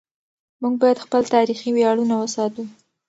موږ باید خپل تاریخي ویاړونه وساتو.